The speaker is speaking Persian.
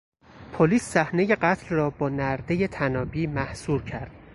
پلیس صحنهی قتل را با نردهی طنابی محصور کرد.